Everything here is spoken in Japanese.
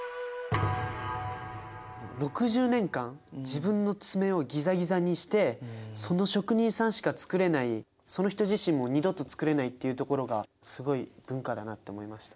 ６０年間自分の爪をギザギザにしてその職人さんしか作れないその人自身も二度と作れないっていうところがすごい文化だなって思いました。